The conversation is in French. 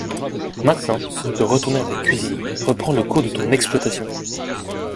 Maintenant, tu peux retourner à ta cuisine, reprendre le cours de ton exploitation !…